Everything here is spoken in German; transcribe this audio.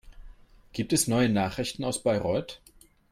Gibt es neue Nachrichten aus Bayreuth?